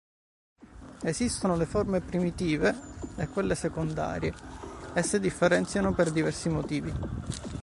Esistono le forme primitive e quelle secondarie, esse differenziano per diversi motivi.